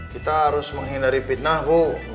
kita harus menghindari fitnah bu